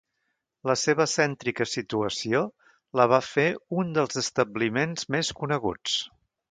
La seva cèntrica situació la va fer un dels establiments més coneguts.